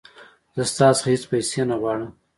زه ستا څخه هیڅ پیسې نه غواړم.